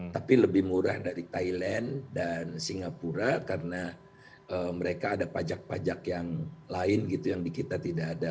tapi lebih murah dari thailand dan singapura karena mereka ada pajak pajak yang lain gitu yang di kita tidak ada